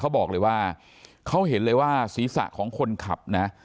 เขาบอกเลยว่าเขาเห็นเลยว่าศีรษะของคนขับนะ